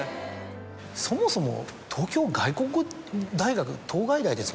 そもそも東京外国語大学東外大ですもんね。